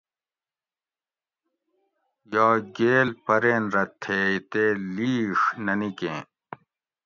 یا گیل پرین رہ تھیئے تے لِیڛ نہ نِکیں